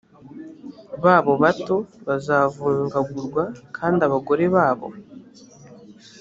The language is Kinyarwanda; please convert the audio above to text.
babo bato bazavungagurwa kandi abagore babo